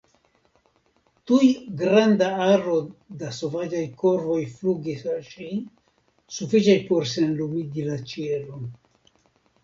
Tuj granda aro da sovaĝaj korvoj flugis al ŝi, sufiĉaj por senlumigi la ĉielon.